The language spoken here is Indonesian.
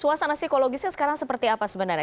suasana psikologisnya sekarang seperti apa sebenarnya